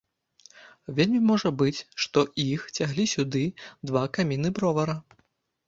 Вельмі можа быць, што іх цяглі сюды два каміны бровара.